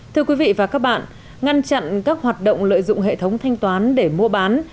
thưa quý vị và các bạn ngăn chặn các hoạt động lợi dụng hệ thống thanh toán để mua bán